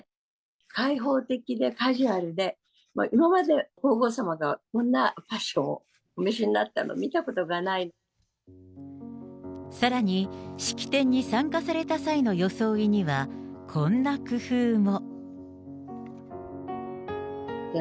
開放的でカジュアルで、今まで皇后さまがこんなファッションをお召しになったの見たことさらに式典に参加された際の装いには、こんな工夫も。